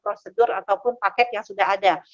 prosedur ataupun paket yang sudah ada